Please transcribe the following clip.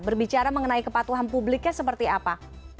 berbicara mengenai kepatuhan publiknya seperti apa